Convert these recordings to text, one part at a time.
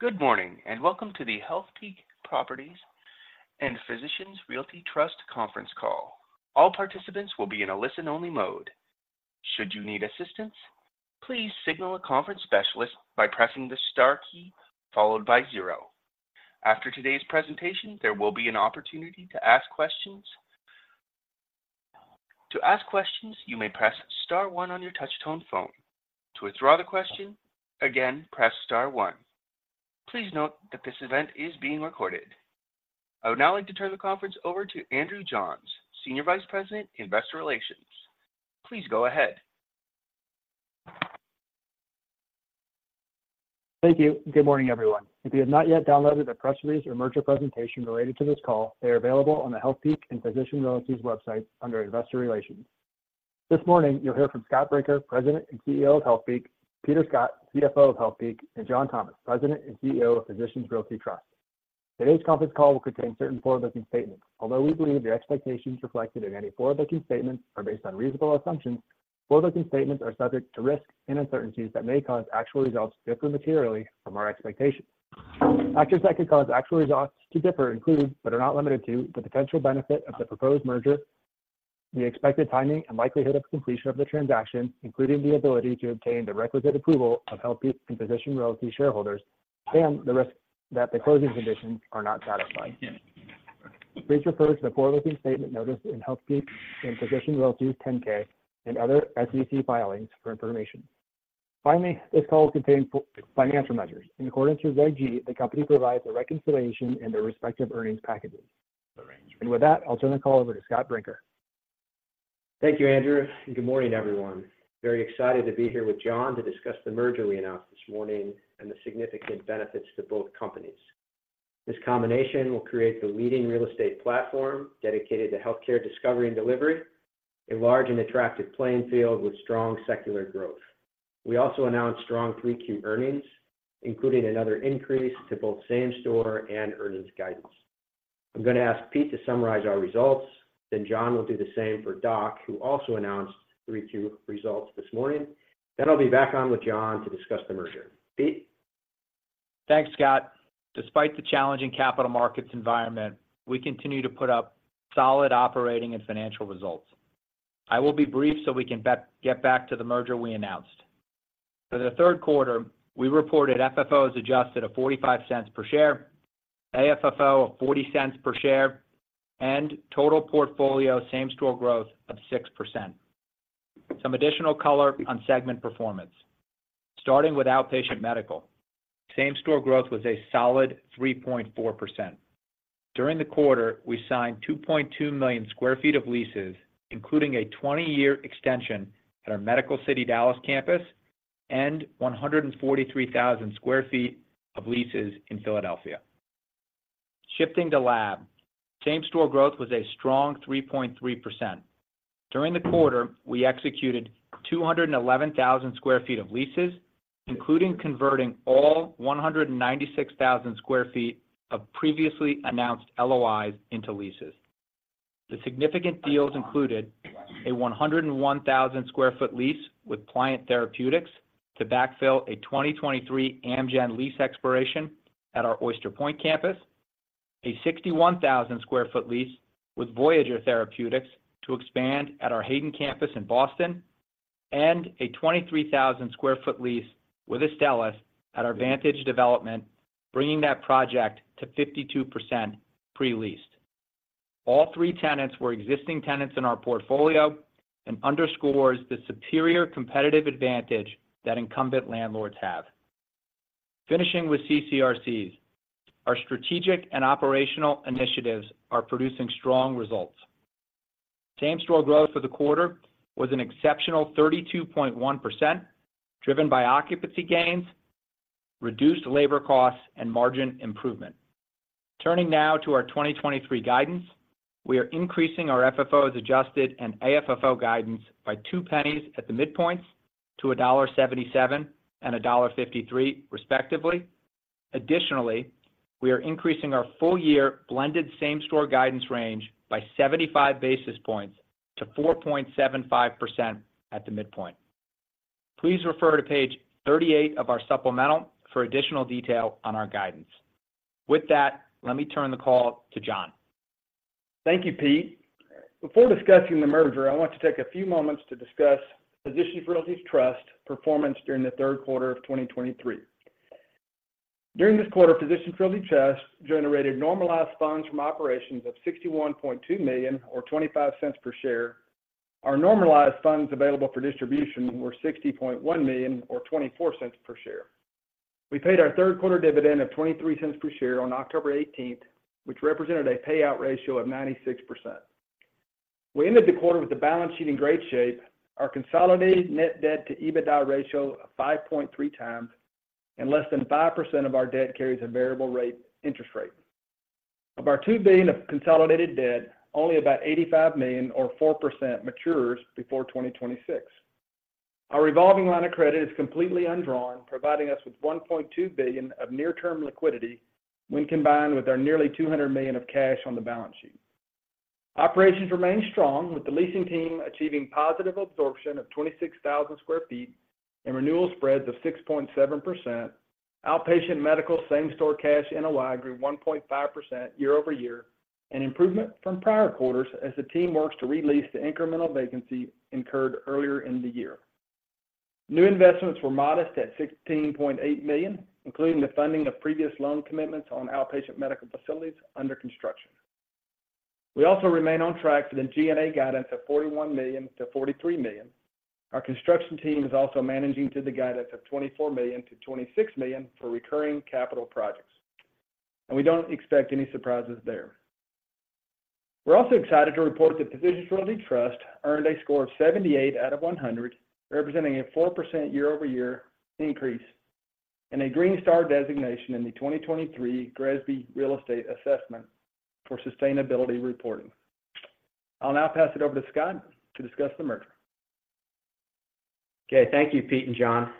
Good morning, and welcome to the Healthpeak Properties and Physicians Realty Trust Conference Call. All participants will be in a listen-only mode. Should you need assistance, please signal a conference specialist by pressing the star key followed by zero. After today's presentation, there will be an opportunity to ask questions. To ask questions, you may press star one on your touchtone phone. To withdraw the question, again, press star one. Please note that this event is being recorded. I would now like to turn the conference over to Andrew Johns, Senior Vice President, Investor Relations. Please go ahead. Thank you. Good morning, everyone. If you have not yet downloaded the press release or merger presentation related to this call, they are available on the Healthpeak and Physicians Realty's website under Investor Relations. This morning, you'll hear from Scott Brinker, President and CEO of Healthpeak, Peter Scott, CFO of Healthpeak, and John Thomas, President and CEO of Physicians Realty Trust. Today's conference call will contain certain forward-looking statements. Although we believe the expectations reflected in any forward-looking statements are based on reasonable assumptions, forward-looking statements are subject to risks and uncertainties that may cause actual results to differ materially from our expectations. Factors that could cause actual results to differ include, but are not limited to, the potential benefit of the proposed merger, the expected timing and likelihood of completion of the transaction, including the ability to obtain the requisite approval of Healthpeak and Physicians Realty shareholders, and the risk that the closing conditions are not satisfied. Please refer to the forward-looking statement notice in Healthpeak and Physicians Realty's 10-K and other SEC filings for information. Finally, this call contains financial measures. In accordance with GAAP, the company provides a reconciliation in their respective earnings packages. And with that, I'll turn the call over to Scott Brinker. Thank you, Andrew, and good morning, everyone. Very excited to be here with John to discuss the merger we announced this morning and the significant benefits to both companies. This combination will create the leading real estate platform dedicated to healthcare discovery and delivery, a large and attractive playing field with strong secular growth. We also announced strong Q3 earnings, including another increase to both same-store and earnings guidance. I'm going to ask Pete to summarize our results, then John will do the same for DOC, who also announced Q3 results this morning. Then I'll be back on with John to discuss the merger. Pete? Thanks, Scott. Despite the challenging capital markets environment, we continue to put up solid operating and financial results. I will be brief, so we can get back to the merger we announced. For the third quarter, we reported FFO as adjusted of $0.45 per share, AFFO of $0.40 per share, and total portfolio same-store growth of 6%. Some additional color on segment performance. Starting with outpatient medical, same-store growth was a solid 3.4%. During the quarter, we signed 2.2 million sq ft of leases, including a 20-year extension at our Medical City Dallas campus and 143,000 sq ft of leases in Philadelphia. Shifting to lab, same-store growth was a strong 3.3%. During the quarter, we executed 211,000 sq ft of leases, including converting all 196,000 sq ft of previously announced LOIs into leases. The significant deals included a 101,000 sq ft lease with Pliant Therapeutics to backfill a 2023 Amgen lease expiration at our Oyster Point campus, a 61,000 sq ft lease with Voyager Therapeutics to expand at our Hayden campus in Boston, and a 23,000 sq ft lease with Astellas at our Vantage Development, bringing that project to 52% pre-leased. All three tenants were existing tenants in our portfolio and underscores the superior competitive advantage that incumbent landlords have. Finishing with CCRCs, our strategic and operational initiatives are producing strong results. Same-store growth for the quarter was an exceptional 32.1%, driven by occupancy gains, reduced labor costs, and margin improvement. Turning now to our 2023 guidance, we are increasing our FFO as adjusted and AFFO guidance by $0.02 at the midpoints to $1.77 and $1.53, respectively. Additionally, we are increasing our full-year blended same-store guidance range by 75 basis points to 4.75% at the midpoint. Please refer to page 38 of our supplemental for additional detail on our guidance. With that, let me turn the call to John. Thank you, Pete. Before discussing the merger, I want to take a few moments to discuss Physicians Realty Trust performance during the Q3 of 2023. During this quarter, Physicians Realty Trust generated normalized funds from operations of $61.2 million or $0.25 per share. Our normalized funds available for distribution were $60.1 million or $0.24 per share. We paid our Q3 dividend of $0.23 per share on October 18th, which represented a payout ratio of 96%. We ended the quarter with the balance sheet in great shape. Our consolidated net debt to EBITDA ratio of 5.3 times, and less than 5% of our debt carries a variable interest rate. Of our $2 billion of consolidated debt, only about $85 million or 4% matures before 2026. Our revolving line of credit is completely undrawn, providing us with $1.2 billion of near-term liquidity when combined with our nearly $200 million of cash on the balance sheet. Operations remain strong, with the leasing team achieving positive absorption of 26,000 sq ft and renewal spreads of 6.7%. Outpatient medical same-store cash NOI grew 1.5% year-over-year, an improvement from prior quarters as the team works to re-lease the incremental vacancy incurred earlier in the year. New investments were modest at $16.8 million, including the funding of previous loan commitments on outpatient medical facilities under construction. We also remain on track for the G&A guidance of $41 million-$43 million. Our construction team is also managing to the guidance of $24 million-$26 million for recurring capital projects, and we don't expect any surprises there. We're also excited to report that Physicians Realty Trust earned a score of 78 out of 100, representing a 4% year-over-year increase and a Green Star designation in the 2023 GRESB Real Estate Assessment for Sustainability Reporting. I'll now pass it over to Scott to discuss the merger. Thank you, Pete and John.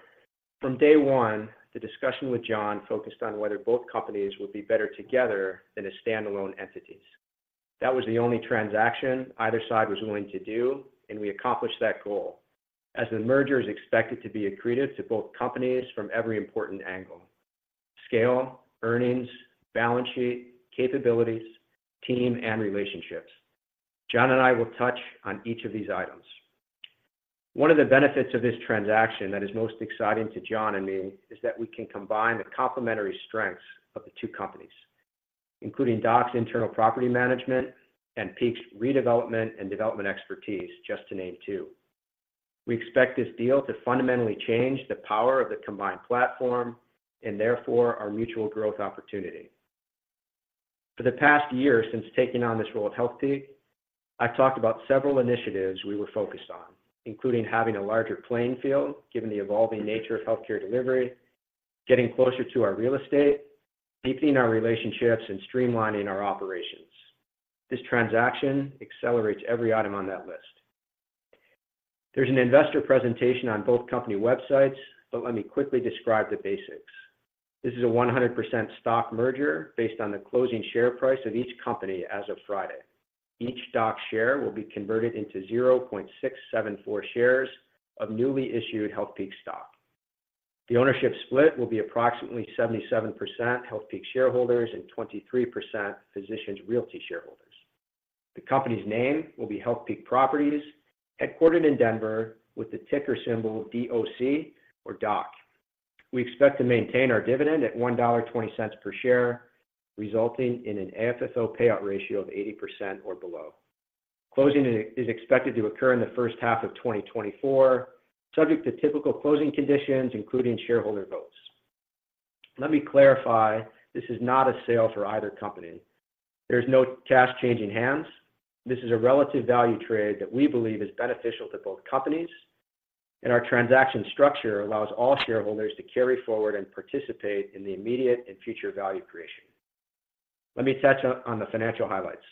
From day one, the discussion with John focused on whether both companies would be better together than as standalone entities. That was the only transaction either side was willing to do, and we accomplished that goal, as the merger is expected to be accretive to both companies from every important angle: scale, earnings, balance sheet, capabilities, team, and relationships. John and I will touch on each of these items. One of the benefits of this transaction that is most exciting to John and me is that we can combine the complementary strengths of the two companies, including DOC's internal property management and Peak's redevelopment and development expertise, just to name two. We expect this deal to fundamentally change the power of the combined platform and therefore our mutual growth opportunity. For the past year, since taking on this role at Healthpeak, I've talked about several initiatives we were focused on, including having a larger playing field, given the evolving nature of healthcare delivery, getting closer to our real estate, deepening our relationships, and streamlining our operations. This transaction accelerates every item on that list. There's an investor presentation on both company websites, but let me quickly describe the basics. This is a 100% stock merger based on the closing share price of each company as of Friday. Each DOC share will be converted into 0.674 shares of newly issued Healthpeak stock. The ownership split will be approximately 77% Healthpeak shareholders and 23% Physicians Realty shareholders. The company's name will be Healthpeak Properties, headquartered in Denver, with the ticker symbol D-O-C or DOC. We expect to maintain our dividend at $1.20 per share, resulting in an FFO payout ratio of 80% or below. Closing is expected to occur in the first half of 2024, subject to typical closing conditions, including shareholder votes. Let me clarify, this is not a sale for either company. There's no cash changing hands. This is a relative value trade that we believe is beneficial to both companies, and our transaction structure allows all shareholders to carry forward and participate in the immediate and future value creation. Let me touch on the financial highlights.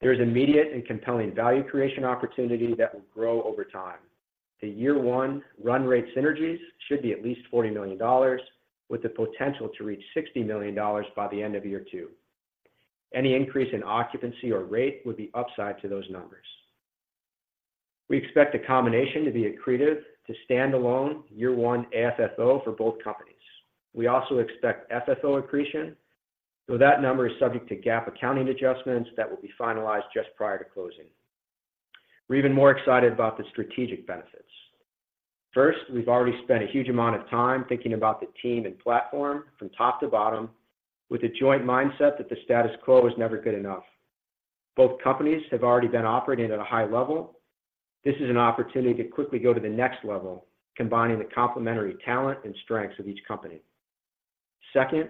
There is immediate and compelling value creation opportunity that will grow over time. The year one run rate synergies should be at least $40 million, with the potential to reach $60 million by the end of year two. Any increase in occupancy or rate would be upside to those numbers. We expect the combination to be accretive, to stand-alone year one FFO for both companies. We also expect FFO accretion, though that number is subject to GAAP accounting adjustments that will be finalized just prior to closing. We're even more excited about the strategic benefits. First, we've already spent a huge amount of time thinking about the team and platform from top to bottom with a joint mindset that the status quo is never good enough. Both companies have already been operating at a high level. This is an opportunity to quickly go to the next level, combining the complementary talent and strengths of each company. Second,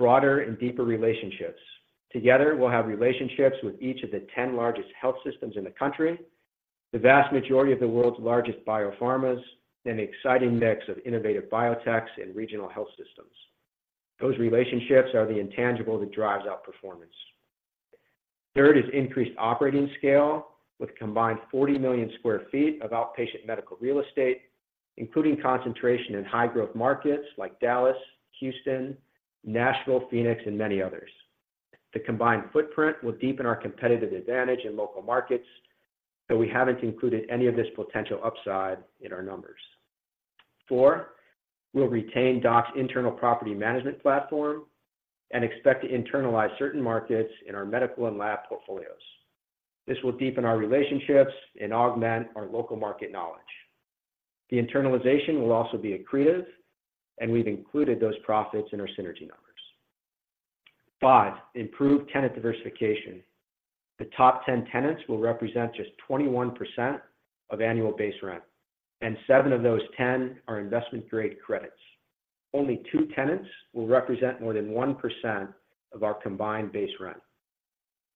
broader and deeper relationships. Together, we'll have relationships with each of the 10 largest health systems in the country, the vast majority of the world's largest biopharmas, and an exciting mix of innovative biotechs and regional health systems. Those relationships are the intangible that drives outperformance. Third is increased operating scale, with a combined 40 million sq ft of outpatient medical real estate, including concentration in high-growth markets like Dallas, Houston, Nashville, Phoenix, and many others. The combined footprint will deepen our competitive advantage in local markets, so we haven't included any of this potential upside in our numbers. Four, we'll retain DOC's internal property management platform and expect to internalize certain markets in our medical and lab portfolios. This will deepen our relationships and augment our local market knowledge. The internalization will also be accretive, and we've included those profits in our synergy numbers. Five, improved tenant diversification. The top 10 tenants will represent just 21% of annual base rent, and seven of those 10 are investment-grade credits. Only two tenants will represent more than 1% of our combined base rent.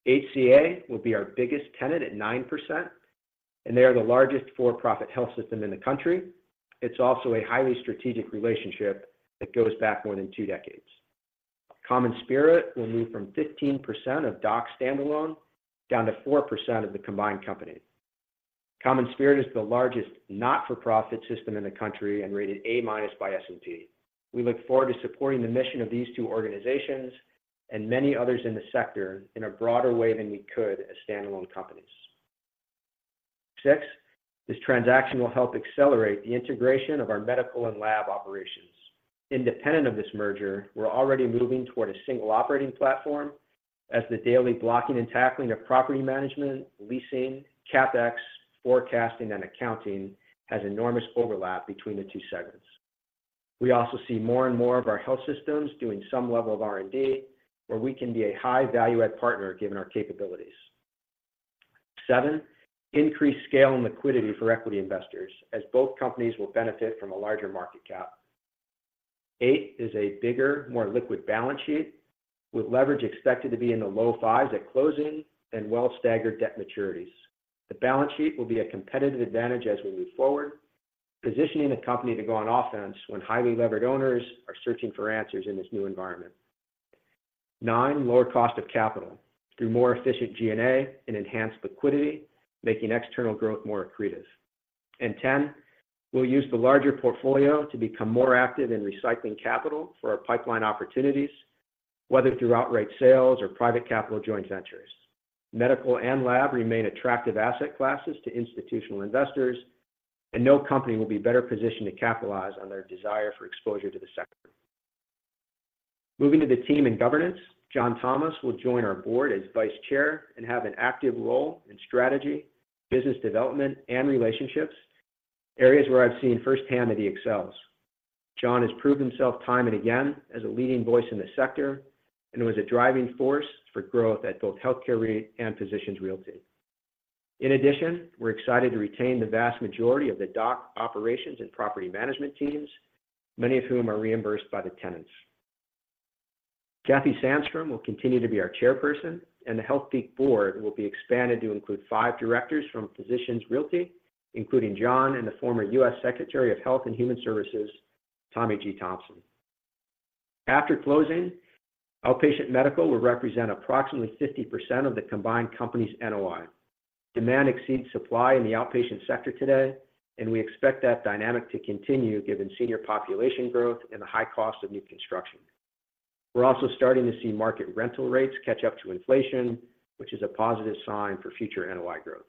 HTA will be our biggest tenant at 9%, and they are the largest for-profit health system in the country. It's also a highly strategic relationship that goes back more than two decades. CommonSpirit will move from 15% of DOC standalone down to 4% of the combined company. CommonSpirit is the largest not-for-profit system in the country and rated A- by S&P. We look forward to supporting the mission of these two organizations and many others in the sector in a broader way than we could as standalone companies. Six, this transaction will help accelerate the integration of our medical and lab operations. Independent of this merger, we're already moving toward a single operating platform as the daily blocking and tackling of property management, leasing, CapEx, forecasting, and accounting has enormous overlap between the two segments. We also see more and more of our health systems doing some level of R&D, where we can be a high value add partner, given our capabilities. Seven, increased scale and liquidity for equity investors, as both companies will benefit from a larger market cap. Eight is a bigger, more liquid balance sheet, with leverage expected to be in the low fives at closing and well staggered debt maturities. The balance sheet will be a competitive advantage as we move forward, positioning the company to go on offense when highly levered owners are searching for answers in this new environment. Nine, lower cost of capital through more efficient G&A and enhanced liquidity, making external growth more accretive. 10, we'll use the larger portfolio to become more active in recycling capital for our pipeline opportunities, whether through outright sales or private capital joint ventures. Medical and lab remain attractive asset classes to institutional investors, and no company will be better positioned to capitalize on their desire for exposure to the sector. Moving to the team and governance, John Thomas will join our board as Vice Chair and have an active role in strategy, business development, and relationships, areas where I've seen firsthand that he excels. John has proved himself time and again as a leading voice in the sector and was a driving force for growth at both Healthcare REIT and Physicians Realty. In addition, we're excited to retain the vast majority of the DOC operations and property management teams, many of whom are reimbursed by the tenants. Kathy Sandstrom will continue to be our Chairperson, and the Healthpeak board will be expanded to include five directors from Physicians Realty, including John and the former U.S. Secretary of Health and Human Services, Tommy G. Thompson. After closing, outpatient medical will represent approximately 50% of the combined company's NOI. Demand exceeds supply in the outpatient sector today, and we expect that dynamic to continue, given senior population growth and the high cost of new construction. We're also starting to see market rental rates catch up to inflation, which is a positive sign for future NOI growth.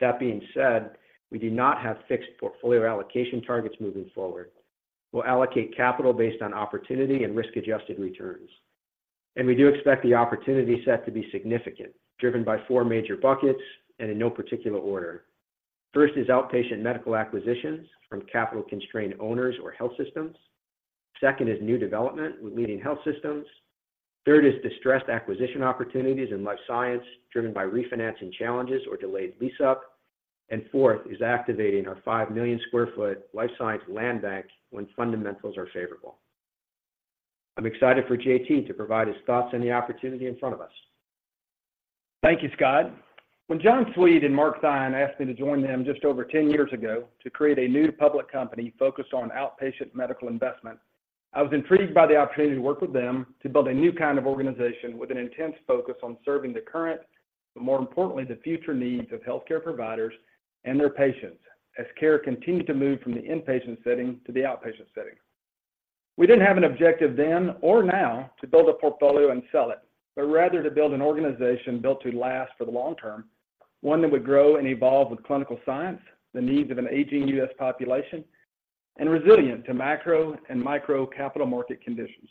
That being said, we do not have fixed portfolio allocation targets moving forward. We'll allocate capital based on opportunity and risk-adjusted returns, and we do expect the opportunity set to be significant, driven by four major buckets and in no particular order. First is outpatient medical acquisitions from capital-constrained owners or health systems. Second is new development with leading health systems. Third is distressed acquisition opportunities in life science, driven by refinancing challenges or delayed lease-up. And fourth is activating our 5 million sq ft life science land bank when fundamentals are favorable. I'm excited for JT to provide his thoughts on the opportunity in front of us. Thank you, Scott. When John Tweed and Mark Theine asked me to join them just over ten years ago to create a new public company focused on outpatient medical investment, I was intrigued by the opportunity to work with them to build a new kind of organization with an intense focus on serving the current, but more importantly, the future needs of healthcare providers and their patients, as care continued to move from the inpatient setting to the outpatient setting. We didn't have an objective then or now to build a portfolio and sell it, but rather to build an organization built to last for the long term, one that would grow and evolve with clinical science, the needs of an aging US population, and resilient to macro and micro capital market conditions.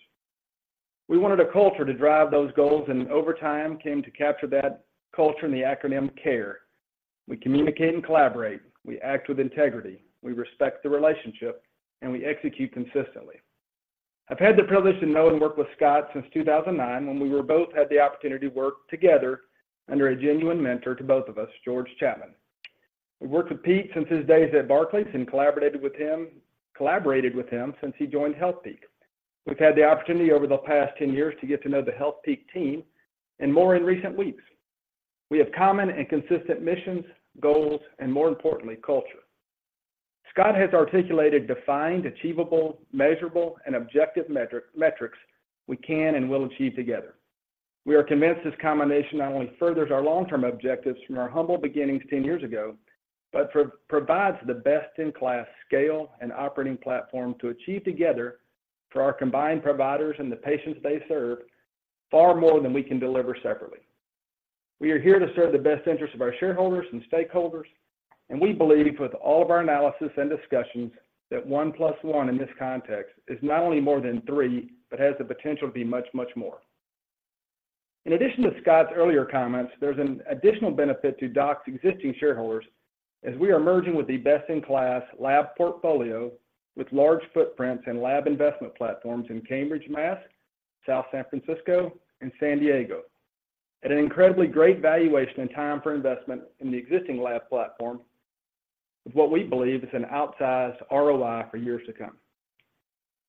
We wanted a culture to drive those goals, and over time, came to capture that culture in the acronym CARE. We communicate and collaborate, we act with integrity, we respect the relationship, and we execute consistently. I've had the privilege to know and work with Scott since 2009, when we both had the opportunity to work together under a genuine mentor to both of us, George Chapman. We've worked with Pete since his days at Barclays and collaborated with him since he joined Healthpeak. We've had the opportunity over the past 10 years to get to know the Healthpeak team and more in recent weeks. We have common and consistent missions, goals, and more importantly, culture. Scott has articulated defined, achievable, measurable, and objective metrics we can and will achieve together. We are convinced this combination not only furthers our long-term objectives from our humble beginnings ten years ago, but provides the best-in-class scale and operating platform to achieve together for our combined providers and the patients they serve, far more than we can deliver separately. We are here to serve the best interests of our shareholders and stakeholders, and we believe, with all of our analysis and discussions, that one plus one in this context is not only more than three, but has the potential to be much, much more. In addition to Scott's earlier comments, there's an additional benefit to DOC's existing shareholders, as we are merging with the best-in-class lab portfolio with large footprints and lab investment platforms in Cambridge, Mass., South San Francisco, and San Diego. At an incredibly great valuation and time for investment in the existing lab platform, is what we believe is an outsized ROI for years to come.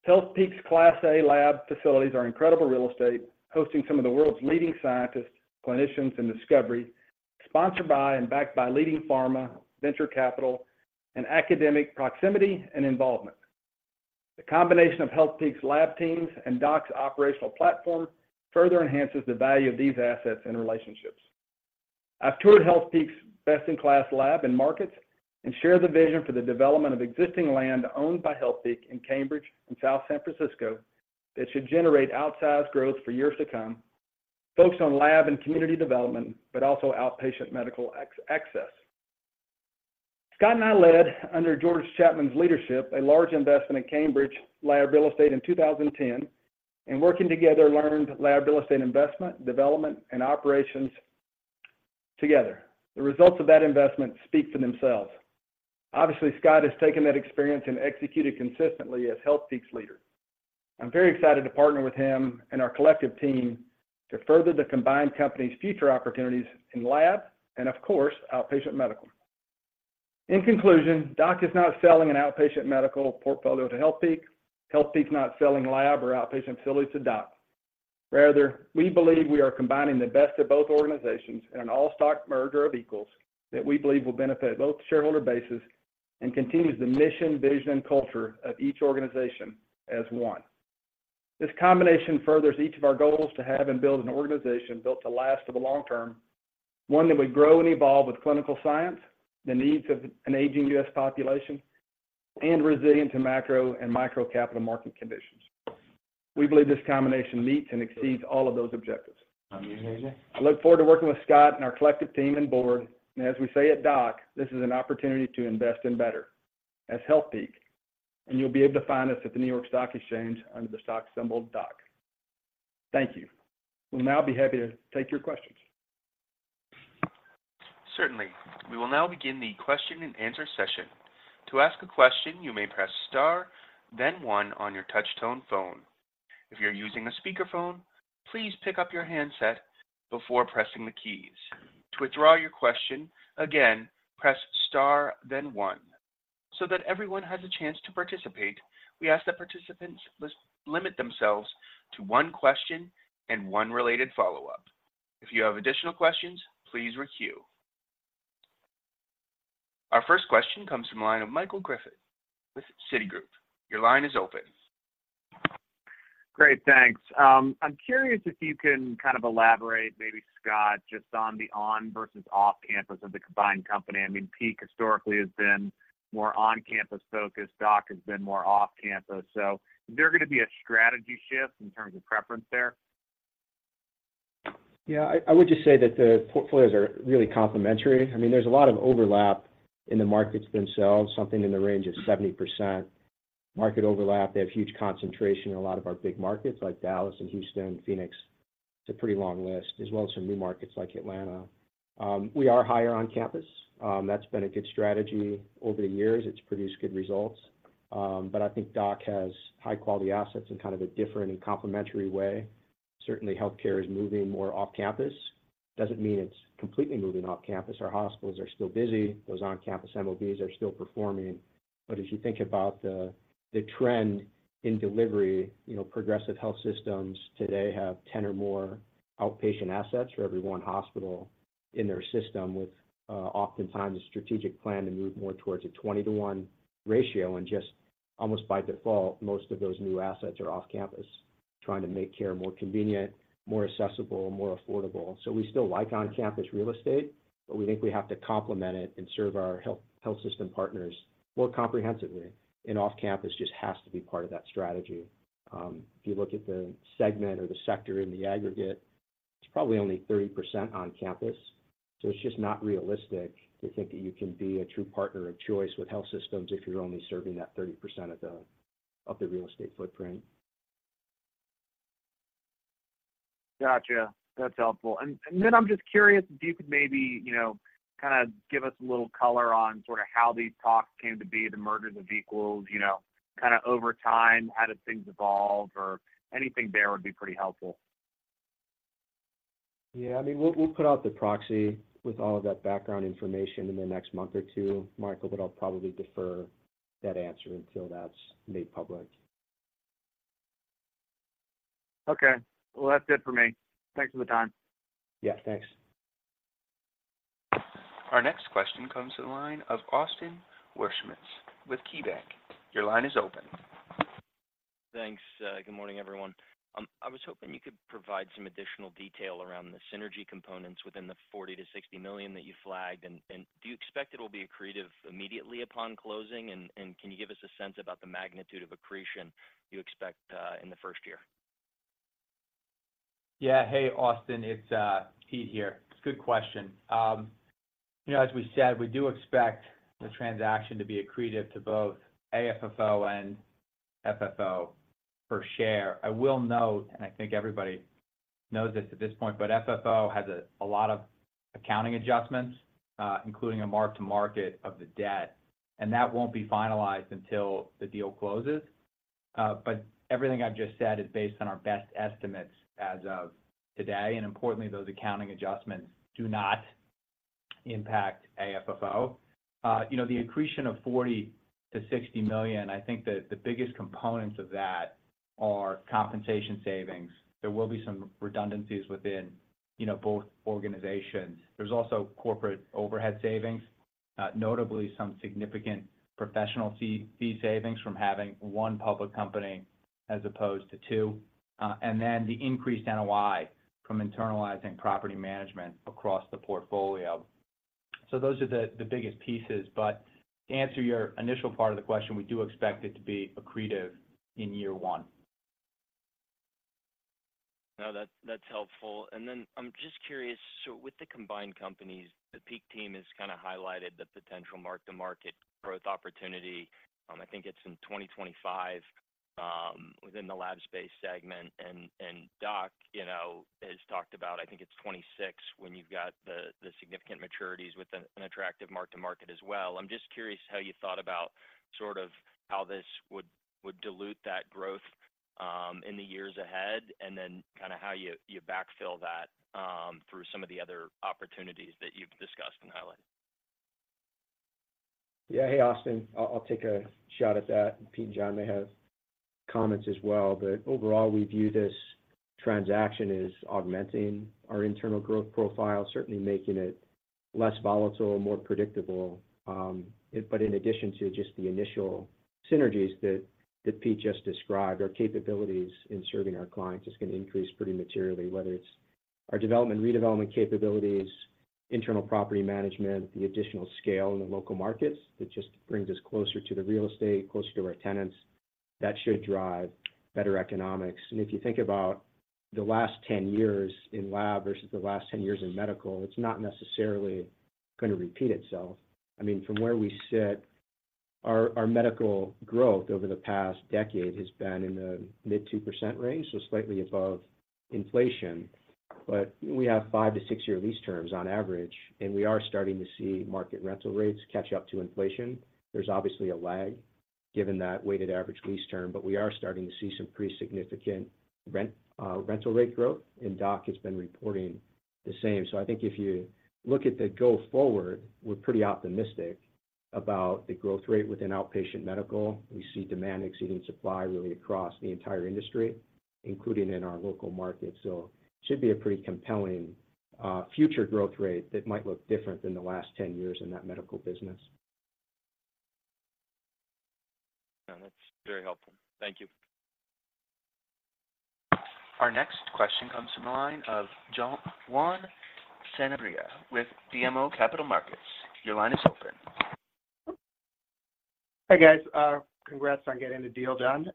Healthpeak's Class A lab facilities are incredible real estate, hosting some of the world's leading scientists, clinicians, and discovery, sponsored by and backed by leading pharma, venture capital, and academic proximity and involvement. The combination of Healthpeak's lab teams and DOC's operational platform further enhances the value of these assets and relationships. I've toured Healthpeak's best-in-class lab and markets, and share the vision for the development of existing land owned by Healthpeak in Cambridge and South San Francisco, that should generate outsized growth for years to come, focus on lab and community development, but also outpatient medical access. Scott and I led, under George Chapman's leadership, a large investment in Cambridge lab real estate in 2010, and working together, learned lab real estate investment, development, and operations together. The results of that investment speak for themselves. Obviously, Scott has taken that experience and executed consistently as Healthpeak's leader. I'm very excited to partner with him and our collective team to further the combined company's future opportunities in lab and, of course, outpatient medical. In conclusion, DOC is not selling an outpatient medical portfolio to Healthpeak. Healthpeak is not selling lab or outpatient facilities to DOC. Rather, we believe we are combining the best of both organizations in an all-stock merger of equals, that we believe will benefit both shareholder bases and continues the mission, vision, and culture of each organization as one. This combination furthers each of our goals to have and build an organization built to last for the long term, one that would grow and evolve with clinical science, the needs of an aging U.S. population, and resilient to macro and micro capital market conditions. We believe this combination meets and exceeds all of those objectives. I look forward to working with Scott and our collective team and board, and as we say at DOC, "This is an opportunity to invest in better," as Healthpeak, and you'll be able to find us at the New York Stock Exchange under the stock symbol, DOC. Thank you. We'll now be happy to take your questions. Certainly. We will now begin the question and answer session. To ask a question, you may press star, then one on your touchtone phone. If you're using a speakerphone, please pick up your handset before pressing the keys. To withdraw your question, again, press star, then one. So that everyone has a chance to participate, we ask that participants please limit themselves to one question and one related follow-up. If you have additional questions, please queue. Our first question comes from the line of Michael Griffin with Citigroup. Your line is open. Great, thanks. I'm curious if you can kind of elaborate, maybe, Scott, just on the on- versus off-campus of the combined company. I mean, Peak historically has been more on-campus focused, DOC has been more off-campus. So is there going to be a strategy shift in terms of preference there? Yeah, I would just say that the portfolios are really complementary. I mean, there's a lot of overlap in the markets themselves, something in the range of 70% market overlap. They have huge concentration in a lot of our big markets, like Dallas and Houston, Phoenix. It's a pretty long list, as well as some new markets like Atlanta. We are higher on campus. That's been a good strategy over the years. It's produced good results. But I think DOC has high-quality assets in kind of a different and complementary way. Certainly, healthcare is moving more off-campus. Doesn't mean it's completely moving off-campus. Our hospitals are still busy. Those on-campus MOBs are still performing. But as you think about the trend in delivery, you know, progressive health systems today have 10 or more outpatient assets for every one hospital in their system, with oftentimes a strategic plan to move more towards a 20-1 ratio. And just almost by default, most of those new assets are off-campus, trying to make care more convenient, more accessible, more affordable. So we still like on-campus real estate, but we think we have to complement it and serve our health, health system partners more comprehensively, and off-campus just has to be part of that strategy. If you look at the segment or the sector in the aggregate, it's probably only 30% on campus, so it's just not realistic to think that you can be a true partner of choice with health systems if you're only serving that 30% of the real estate footprint. Gotcha. That's helpful. And then I'm just curious if you could maybe, you know, kind of give us a little color on sort of how these talks came to be, the mergers of equals, you know, kind of over time, how did things evolve, or anything there would be pretty helpful. Yeah, I mean, we'll, we'll put out the proxy with all of that background information in the next month or two, Michael, but I'll probably defer that answer until that's made public. Okay. Well, that's it for me. Thanks for the time. Yeah, thanks. Our next question comes to the line of Austin Wurschmidt with KeyBanc. Your line is open. Thanks. Good morning, everyone. I was hoping you could provide some additional detail around the synergy components within the $40 million-$60 million that you flagged, and do you expect it'll be accretive immediately upon closing? And can you give us a sense about the magnitude of accretion you expect, in the first year? Yeah. Hey, Austin, it's Pete here. It's a good question. You know, as we said, we do expect the transaction to be accretive to both AFFO and FFO per share. I will note, and I think everybody knows this at this point, but FFO has a lot of accounting adjustments, including a mark-to-market of the debt, and that won't be finalized until the deal closes. But everything I've just said is based on our best estimates as of today, and importantly, those accounting adjustments do not impact AFFO. You know, the accretion of $40 million-$60 million, I think that the biggest components of that are compensation savings. There will be some redundancies within, you know, both organizations. There's also corporate overhead savings notably some significant professional fee savings from having one public company as opposed to two. And then the increased NOI from internalizing property management across the portfolio. So those are the biggest pieces. But to answer your initial part of the question, we do expect it to be accretive in year one. No, that's, that's helpful. And then I'm just curious, so with the combined companies, the Peak team has kind of highlighted the potential mark-to-market growth opportunity, I think it's in 2025, within the lab space segment. And DOC, you know, has talked about, I think it's 2026, when you've got the significant maturities with an attractive mark-to-market as well. I'm just curious how you thought about sort of how this would dilute that growth in the years ahead, and then kind of how you backfill that through some of the other opportunities that you've discussed and highlighted. Yeah. Hey, Austin, I'll take a shot at that, and Pete and John may have comments as well. But overall, we view this transaction as augmenting our internal growth profile, certainly making it less volatile, more predictable. But in addition to just the initial synergies that Pete just described, our capabilities in serving our clients is gonna increase pretty materially. Whether it's our development, redevelopment capabilities, internal property management, the additional scale in the local markets, it just brings us closer to the real estate, closer to our tenants. That should drive better economics. And if you think about the last 10 years in lab versus the last 10 years in medical, it's not necessarily gonna repeat itself. I mean, from where we sit, our medical growth over the past decade has been in the mid 2% range, so slightly above inflation. But we have five to six year lease terms on average, and we are starting to see market rental rates catch up to inflation. There's obviously a lag, given that weighted average lease term, but we are starting to see some pretty significant rent rental rate growth, and DOC has been reporting the same. So I think if you look at the go forward, we're pretty optimistic about the growth rate within outpatient medical. We see demand exceeding supply really across the entire industry, including in our local market. So it should be a pretty compelling future growth rate that might look different than the last 10 years in that medical business. No, that's very helpful. Thank you. Our next question comes from the line of Juan Sanabria with BMO Capital Markets. Your line is open. Hi, guys, congrats on getting the deal done.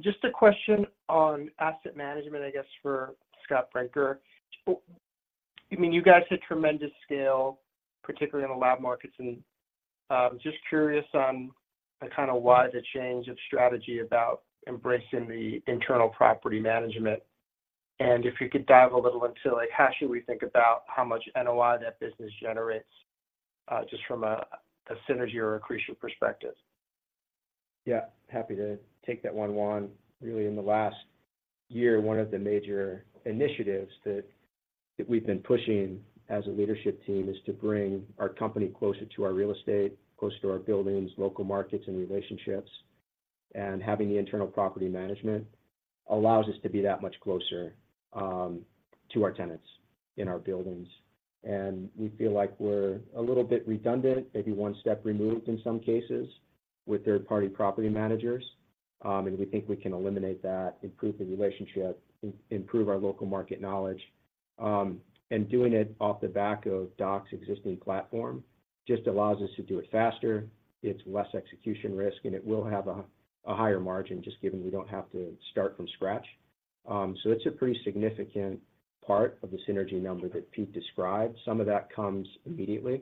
Just a question on asset management, I guess, for Scott Brinker. I mean, you guys had tremendous scale, particularly in the lab markets, and just curious on kind of why the change of strategy about embracing the internal property management. And if you could dive a little into, like, how should we think about how much NOI that business generates, just from a synergy or accretion perspective? Yeah. Happy to take that one, Juan. Really, in the last year, one of the major initiatives that we've been pushing as a leadership team is to bring our company closer to our real estate, closer to our buildings, local markets, and relationships. And having the internal property management allows us to be that much closer to our tenants in our buildings. And we feel like we're a little bit redundant, maybe one step removed in some cases, with third-party property managers, and we think we can eliminate that, improve the relationship, improve our local market knowledge. And doing it off the back of DOC's existing platform just allows us to do it faster, it's less execution risk, and it will have a higher margin just given we don't have to start from scratch. So it's a pretty significant part of the synergy number that Pete described. Some of that comes immediately,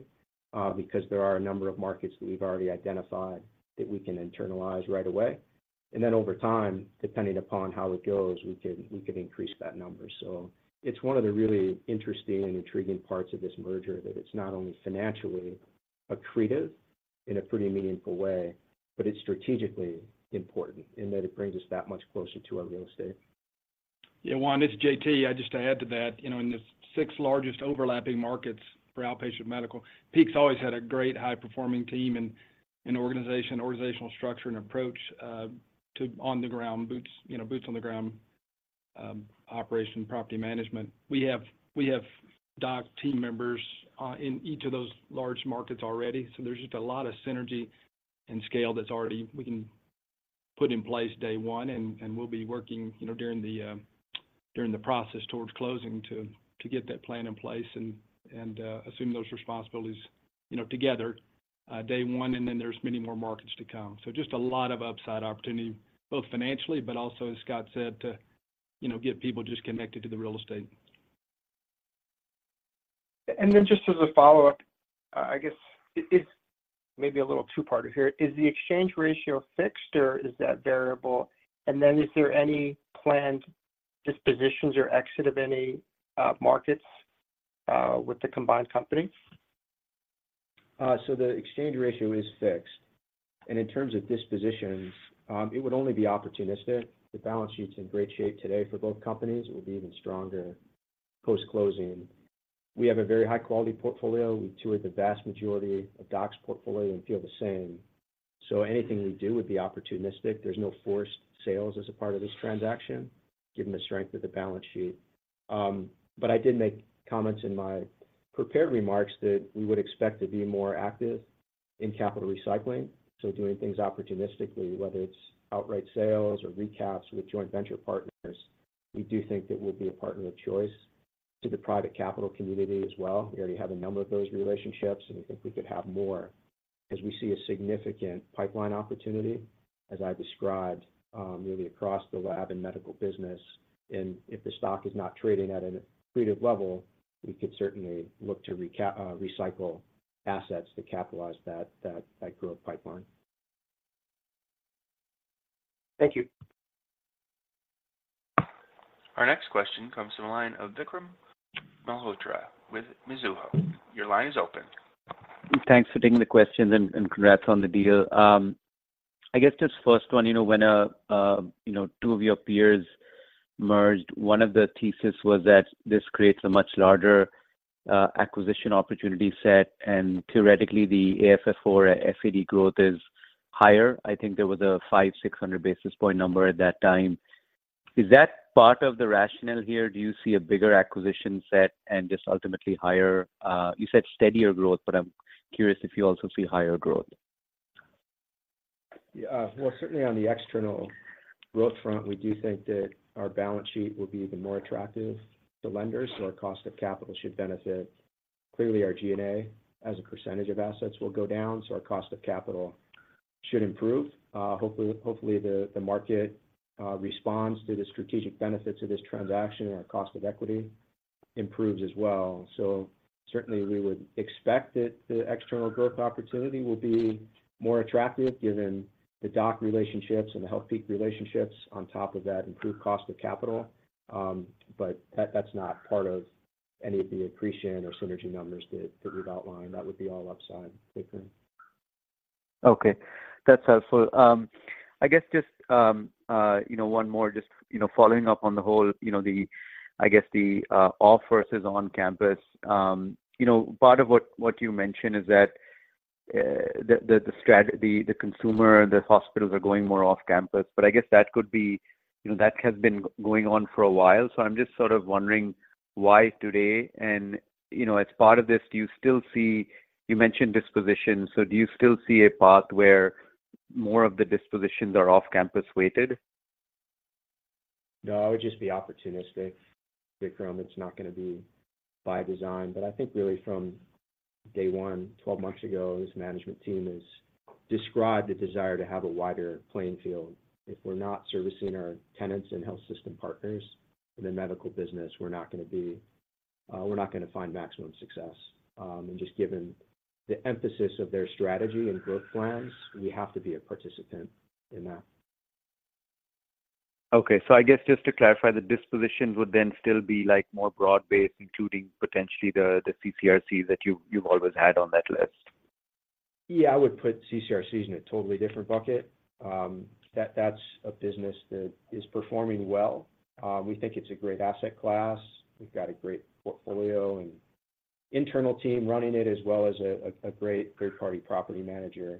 because there are a number of markets that we've already identified that we can internalize right away. And then over time, depending upon how it goes, we could increase that number. So it's one of the really interesting and intriguing parts of this merger, that it's not only financially accretive in a pretty meaningful way, but it's strategically important in that it brings us that much closer to our real estate. Yeah, Juan, it's JT. I just to add to that, you know, in the six largest overlapping markets for outpatient medical, Healthpeak's always had a great high-performing team and, and organization, organizational structure and approach, to on the ground boots—you know, boots on the ground, operation, property management. We have, we have DOC team members, in each of those large markets already, so there's just a lot of synergy and scale that's already—we can put in place day one, and, and we'll be working, you know, during the, during the process towards closing to, to get that plan in place and, and, assume those responsibilities, you know, together, day one, and then there's many more markets to come. Just a lot of upside opportunity, both financially, but also, as Scott said, to, you know, get people just connected to the real estate. Just as a follow-up, I guess, it maybe a little two-parter here. Is the exchange ratio fixed, or is that variable? And then is there any planned dispositions or exit of any markets with the combined company? So the exchange ratio is fixed. In terms of dispositions, it would only be opportunistic. The balance sheet's in great shape today for both companies. It will be even stronger post-closing. We have a very high-quality portfolio. We toured the vast majority of DOC's portfolio and feel the same. Anything we do would be opportunistic. There's no forced sales as a part of this transaction, given the strength of the balance sheet. But I did make comments in my prepared remarks that we would expect to be more active in capital recycling, so doing things opportunistically, whether it's outright sales or recaps with joint venture partners. We do think that we'll be a partner of choice to the private capital community as well. We already have a number of those relationships, and we think we could have more, as we see a significant pipeline opportunity, as I described, really across the lab and medical business. And if the stock is not trading at a creative level, we could certainly look to recycle assets to capitalize that growth pipeline. Thank you. Our next question comes from the line of Vikram Malhotra with Mizuho. Your line is open. Thanks for taking the questions and, and congrats on the deal. I guess just first one, you know, when, you know, two of your peers merged, one of the thesis was that this creates a much larger, acquisition opportunity set, and theoretically, the AFFO FFO growth is higher. I think there was a 500-600 basis point number at that time. Is that part of the rationale here? Do you see a bigger acquisition set and just ultimately higher. You said steadier growth, but I'm curious if you also see higher growth. Yeah, well, certainly on the external growth front, we do think that our balance sheet will be even more attractive to lenders, so our cost of capital should benefit. Clearly, our G&A, as a percentage of assets, will go down, so our cost of capital should improve. Hopefully, hopefully, the market responds to the strategic benefits of this transaction, and our cost of equity improves as well. So certainly we would expect that the external growth opportunity will be more attractive, given the doc relationships and the Healthpeak relationships on top of that improved cost of capital. But that, that's not part of any of the accretion or synergy numbers that, that we've outlined. That would be all upside, Vikram. Okay. That's helpful. I guess just, you know, one more just, you know, following up on the whole, you know, the, I guess, the off versus on campus. You know, part of what you mentioned is that the strategy, the consumer, the hospitals are going more off campus, but I guess that could be—you know, that has been going on for a while. I'm just sort of wondering why today? You know, as part of this, do you still see... You mentioned disposition, so do you still see a path where more of the dispositions are off-campus weighted? No, it would just be opportunistic, Vikram. It's not gonna be by design. But I think really from day one, 12 months ago, this management team has described the desire to have a wider playing field. If we're not servicing our tenants and health system partners in the medical business, we're not gonna be, we're not gonna find maximum success. And just given the emphasis of their strategy and growth plans, we have to be a participant in that. Okay. So I guess just to clarify, the dispositions would then still be, like, more broad-based, including potentially the CCRCs that you've always had on that list? Yeah, I would put CCRCs in a totally different bucket. That, that's a business that is performing well. We think it's a great asset class. We've got a great portfolio and internal team running it, as well as a great third-party property manager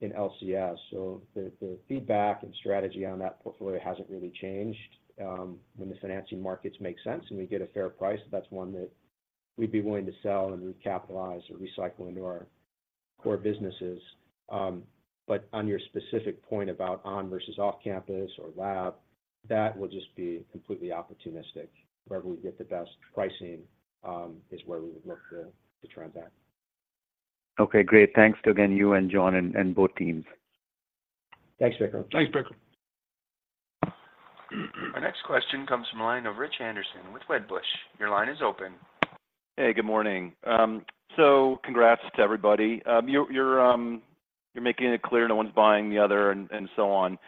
in LCS. So the feedback and strategy on that portfolio hasn't really changed. When the financing markets make sense and we get a fair price, that's one that we'd be willing to sell and recapitalize or recycle into our core businesses. But on your specific point about on versus off campus or lab, that will just be completely opportunistic. Wherever we get the best pricing is where we would look to transact. Okay, great. Thanks to, again, you and John and both teams. Thanks, Vikram. Thanks, Vikram. Our next question comes from the line of Rich Anderson with Wedbush. Your line is open. Hey, good morning. So congrats to everybody. You're making it clear no one's buying the other and so on.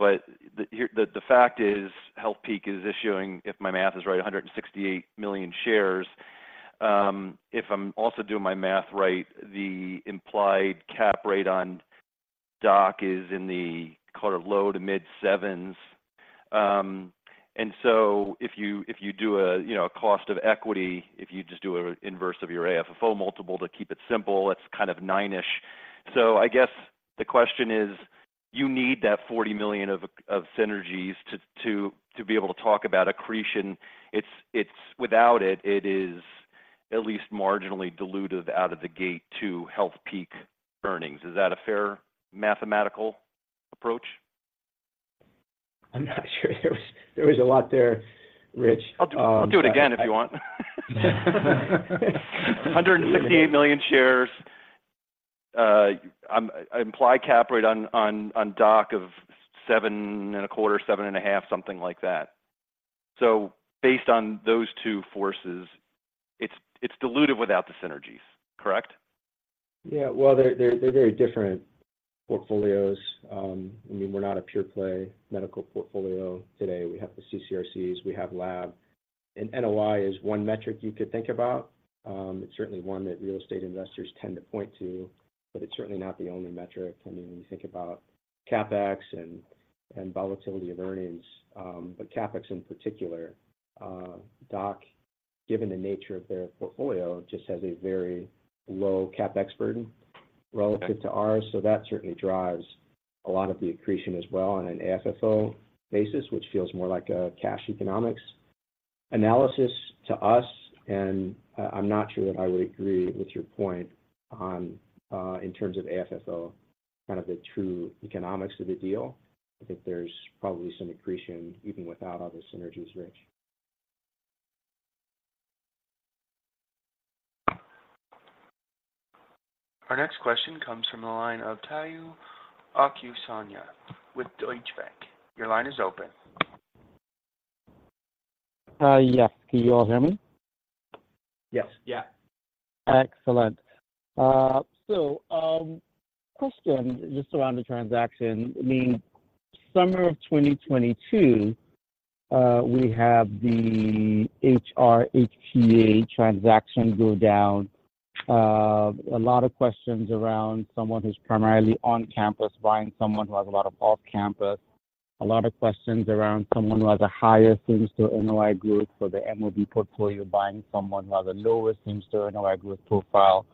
But the fact is, Healthpeak is issuing, if my math is right, 168 million shares. If I'm also doing my math right, the implied cap rate on DOC is in the kind of low to mid sevens. And so if you do a, you know, a cost of equity, if you just do an inverse of your AFFO multiple to keep it simple, it's kind of 9-ish. So I guess the question is: you need that $40 million of synergies to be able to talk about accretion. It's. Without it, it is at least marginally dilutive out of the gate to Healthpeak earnings. Is that a fair mathematical approach? I'm not sure. There was a lot there, Rich. I'll do it again if you want. 168 million shares, implied cap rate on DOC of 7.25%-7.5%, something like that. So based on those two forces, it's dilutive without the synergies, correct? Yeah. Well, they're very different portfolios. I mean, we're not a pure play medical portfolio today. We have the CCRCs, we have lab, and NOI is one metric you could think about. It's certainly one that real estate investors tend to point to, but it's certainly not the only metric. I mean, when you think about CapEx and volatility of earnings, but CapEx in particular, given the nature of their portfolio, just has a very low CapEx burden relative to ours. So that certainly drives a lot of the accretion as well on an AFFO basis, which feels more like a cash economics analysis to us. And I'm not sure that I would agree with your point on, in terms of AFFO, kind of the true economics of the deal. I think there's probably some accretion, even without all the synergies, Rich. Our next question comes from the line of Omotayo Okusanya with Deutsche Bank. Your line is open. Yes. Can you all hear me? Yes. Yeah. Excellent. So, question just around the transaction. I mean, summer of 2022, we have the HR, HTA transaction go down. A lot of questions around someone who's primarily on campus, buying someone who has a lot of off-campus. A lot of questions around someone who has a higher same-store NOI group, so the MOB portfolio, buying someone who has a lower same-store NOI group profile.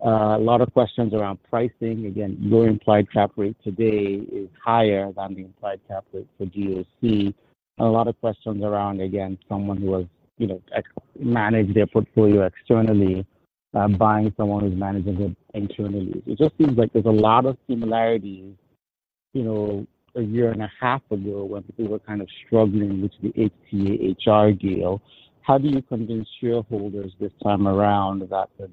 A lot of questions around pricing. Again, your implied cap rate today is higher than the implied cap rate for DOC. A lot of questions around, again, someone who has, you know, externally managed their portfolio externally, buying someone who's managing it internally. It just seems like there's a lot of similarities, you know, a year and a half ago, when people were kind of struggling with the HTA-HR deal. How do you convince shareholders this time around that the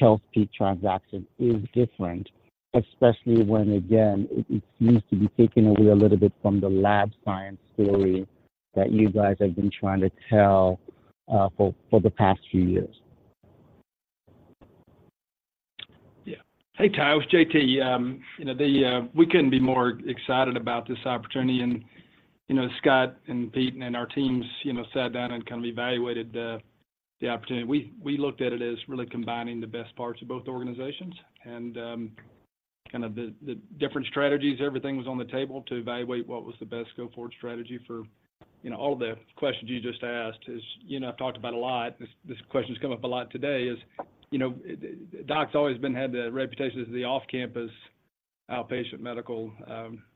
DOC-Healthpeak transaction is different, especially when, again, it seems to be taking away a little bit from the life science story that you guys have been trying to tell, for the past few years? Yeah. Hey, Tayo, it's JT. You know, the, we couldn't be more excited about this opportunity and, you know, Scott and Pete and our teams, you know, sat down and kind of evaluated the, the opportunity. We looked at it as really combining the best parts of both organizations and, kind of the, the different strategies. Everything was on the table to evaluate what was the best go-forward strategy for, you know, all the questions you just asked. As you know, I've talked about a lot, this, this question has come up a lot today, is, you know, DOC's always been had the reputation as the off-campus outpatient medical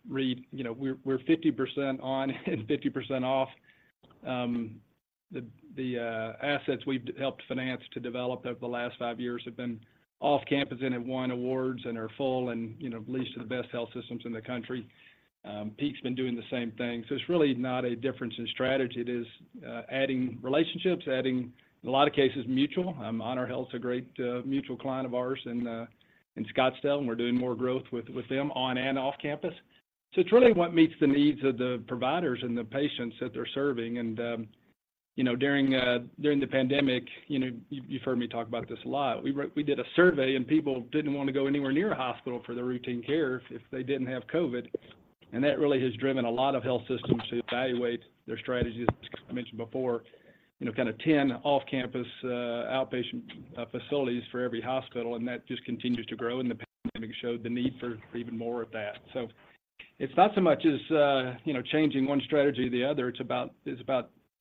REIT. You know, we're 50% on and 50% off. The assets we've helped finance to develop over the last five years have been off campus and have won awards and are full and, you know, leased to the best health systems in the country. Peak's been doing the same thing, so it's really not a difference in strategy. It is adding relationships, adding, in a lot of cases, mutual. HonorHealth is a great mutual client of ours in Scottsdale, and we're doing more growth with them on and off campus. So it's really what meets the needs of the providers and the patients that they're serving. And you know, during the pandemic, you know, you've heard me talk about this a lot. We did a survey, and people didn't want to go anywhere near a hospital for their routine care if they didn't have COVID, and that really has driven a lot of health systems to evaluate their strategies. As I mentioned before, you know, kind of 10 off-campus, outpatient, facilities for every hospital, and that just continues to grow, and the pandemic showed the need for, for even more of that. So it's not so much as, you know, changing one strategy to the other. It's about, it's